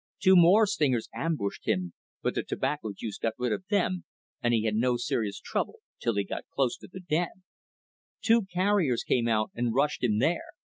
Two more stingers ambushed him, but the tobacco juice got rid of them, and he had no serious trouble till he got close to the den. Two carriers came out and rushed him there.